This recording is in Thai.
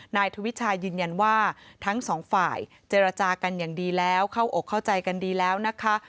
นายทวิชายืนยันว่าทั้งสองฝ่ายเจรจากันอย่างดีแล้วเข้าอกเข้าใจกันดีแล้วนะคะ